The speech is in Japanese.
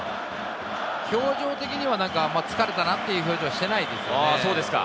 表情的には疲れたなっていう表情はしてないですね。